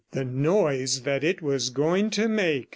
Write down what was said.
The noise that it was going to make!